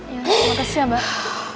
ya makasih ya mbak